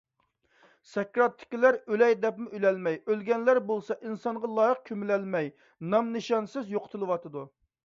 سەكراتتىكىلەر ئۆلەي دەپمۇ ئۆلەلمەي، ئۆلگەنلەر بولسا، ئىنسانغا لايىق كۆمۈلەلمەي نام - نىشانسىز يوقىتىلىۋاتىدۇ.